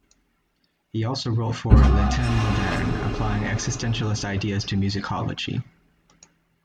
He also wrote for "Les Temps modernes", applying existentialist ideas to musicology.